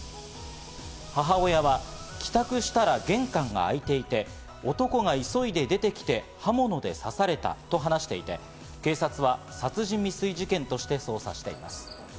母親は帰宅したら玄関が開いていて、男が急いで出てきて刃物で刺されたと話していて、警察は殺人未遂事件として捜査しています。